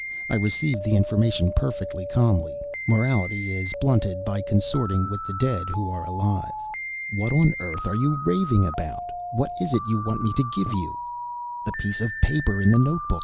I received the information perfectly calmly. Morality is blunted by consorting with the Dead who are alive. "What on earth are you raving about? What is it you want me to give you?" "The piece of paper in the notebook.